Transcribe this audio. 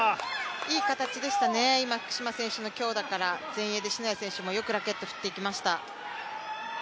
いい形でしたね、今、福島選手の強打から前衛で篠谷選手もよくラケット振っていきました。